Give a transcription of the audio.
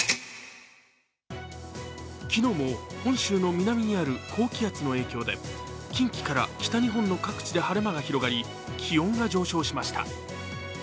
昨日も本州の南にある高気圧の影響で近畿から北日本の各地で晴れ間が広がり気温が上昇しました。